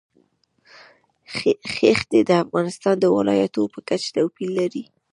ښتې د افغانستان د ولایاتو په کچه توپیر لري.